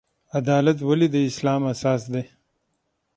عدالت ولې د اسلام اساس دی؟